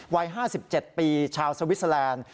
วาย๕๗ปีชาวสวิสเซอลาน